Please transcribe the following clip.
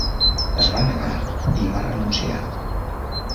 Es va negar i va renunciar.